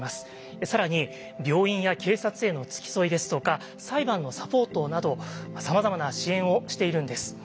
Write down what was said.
更に病院や警察への付き添いですとか裁判のサポートなどさまざまな支援をしているんです。